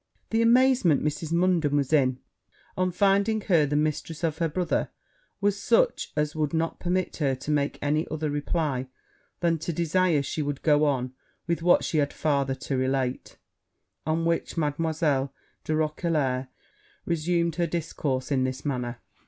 The amazement Mrs. Munden was in, on finding her the mistress of her brothers, was such as would not permit her to make any other reply than to desire she would go on with what she had farther to relate: on which Mademoiselle de Roquelair resumed her discourse in this manner.